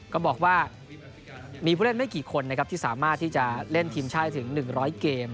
ก็บอกว่ามีผู้เล่นไม่กี่คนนะครับที่สามารถที่จะเล่นทีมชาติถึง๑๐๐เกม